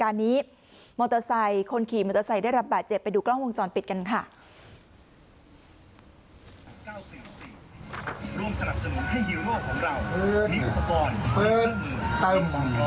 และมีพลังกายใจที่จะช่วยดูแลถึงชีวิตให้ผ่านวิกฤตในการดี